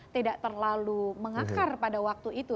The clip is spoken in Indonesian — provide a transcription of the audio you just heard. tidak terlalu mengakar pada waktu itu